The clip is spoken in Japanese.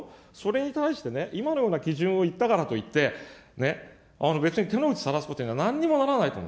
それに対して、今のような基準を言ったからといって、別に手の内さらすことにはなんにもならないと思う。